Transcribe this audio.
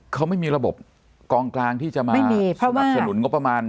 เขาไม่มีระบบกองกลางที่จะมาสนับสนุนงบประมาณ